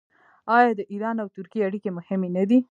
آیا د ایران او ترکیې اړیکې مهمې نه دي؟